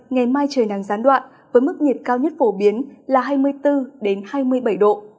ngày mai trời nắng gián đoạn với mức nhiệt cao nhất phổ biến là hai mươi bốn hai mươi bảy độ